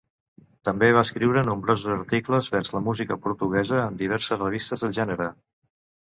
També va escriure nombrosos articles vers la música portuguesa en diverses revistes del gènere.